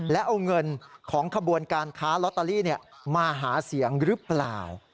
และเอาเงินของขบวนการค้าลอตเตอรี่มาหาเสียงหรือเปล่า